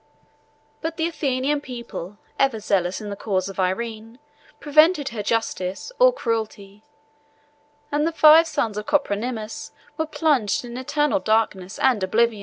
But the Athenian people, ever zealous in the cause of Irene, prevented her justice or cruelty; and the five sons of Copronymus were plunged in eternal darkness and oblivion.